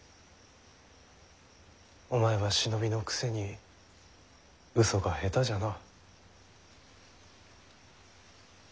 お前は忍びのくせに嘘が下手じゃな。